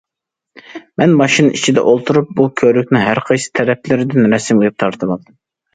مەن ماشىنا ئىچىدە ئولتۇرۇپ، بۇ كۆۋرۈكنىڭ ھەرقايسى تەرەپلىرىدىن رەسىمگە تارتىۋالدىم.